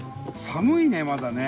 寒いねまだね。